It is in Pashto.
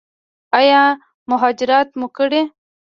ایا مهاجرت مو کړی؟